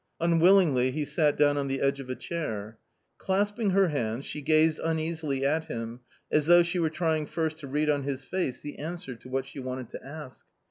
Unwillingly he sat down on the edge of a chair. Clasping her hands she gazed uneasily at him, as though she were trying first to read on his face the answer to what she wanted to ask.